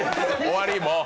終わり、もう。